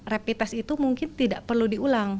rapid test itu mungkin tidak perlu diulang